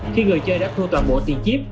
khi người chơi đã thua toàn bộ tiền chip